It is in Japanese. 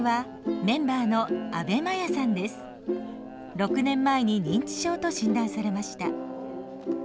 ６年前に認知症と診断されました。